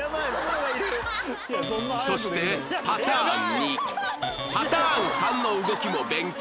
そしてパターン２パターン３の動きも勉強